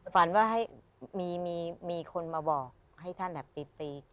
ฝันว่ามีคนมาบอกให้ท่านแบบปี